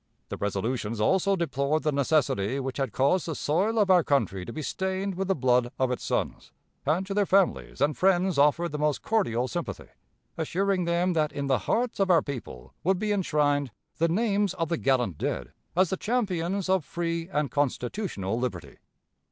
The resolutions also deplored the necessity which had caused the soil of our country to be stained with the blood of its sons, and to their families and friends offered the most cordial sympathy; assuring them that in the hearts of our people would be enshrined "the names of the gallant dead as the champions of free and constitutional liberty."